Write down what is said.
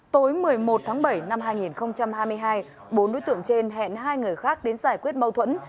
tối một mươi một tháng bảy năm hai nghìn hai mươi hai bốn đối tượng trên hẹn hai người khác đến giải quyết mâu thuẫn